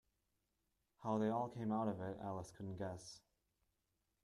How they all came out of it Alice couldn’t guess.